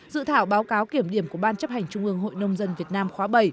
dự thảo báo cáo kiểm điểm của ban chấp hành trung ương hội nông dân việt nam khóa bảy